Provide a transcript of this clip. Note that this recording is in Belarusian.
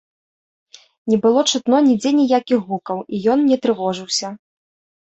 Не было чутно нідзе ніякіх гукаў, і ён не трывожыўся.